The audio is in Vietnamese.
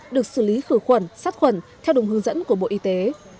được xử lý khử khuẩn sát khuẩn theo đúng hướng dẫn của bộ y tế